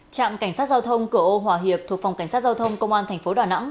trạm cảnh sát giao thông cửa ô hòa hiệp thuộc phòng cảnh sát giao thông công an thành phố đà nẵng